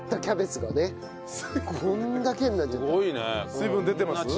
水分出てます？